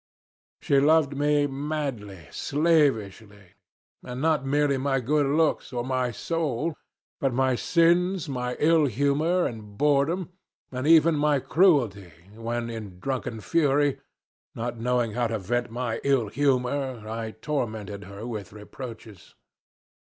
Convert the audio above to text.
She loved me madly, slavishly, and not merely my good looks, or my soul, but my sins, my ill humor and boredom, and even my cruelty when, in drunken fury, not knowing how to vent my ill humor, I tormented her with reproaches.